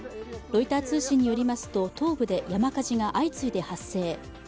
ロイター通信によりますと、東部で山火事が相次いで発生。